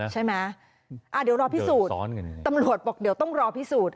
ใช่ไหมเดี๋ยวรอพิสูจน์ตำรวจบอกเดี๋ยวต้องรอพิสูจน์